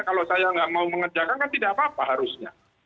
kalau saya nggak mau mengerjakan kan tidak apa apa harusnya